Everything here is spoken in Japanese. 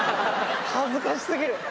恥ずかしすぎる。